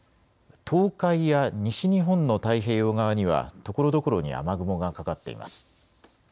東海や西日本の太平洋側にはところどころに雨雲がかかっています。